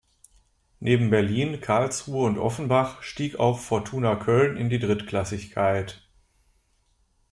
Neben Berlin, Karlsruhe und Offenbach stieg auch Fortuna Köln in die Drittklassigkeit.